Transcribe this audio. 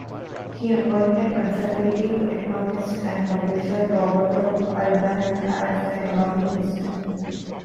He appointed conservative economist and publisher Roberto Alemann as Economy Minister.